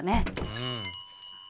うん。